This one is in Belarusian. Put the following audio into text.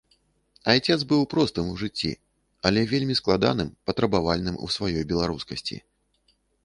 Айцец быў простым у жыцці, але вельмі складаным, патрабавальным у сваёй беларускасці.